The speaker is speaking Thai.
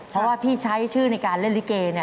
เพราะว่าพี่ใช้ชื่อในการเล่นลิเก